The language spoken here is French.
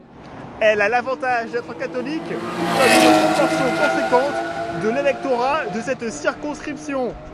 Elle a l'avantage d'être catholique, comme une proportion conséquente de l'électorat de cette circonscription.